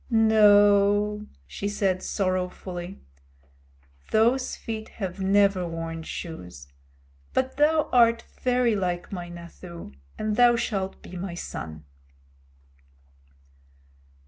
"No," she said sorrowfully, "those feet have never worn shoes, but thou art very like my Nathoo, and thou shalt be my son."